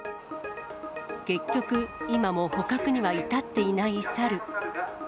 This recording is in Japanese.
結局、今も捕獲には至っていない猿。